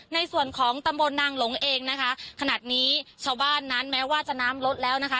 ในส่วนของตำบลนางหลงเองนะคะขนาดนี้ชาวบ้านนั้นแม้ว่าจะน้ำลดแล้วนะคะ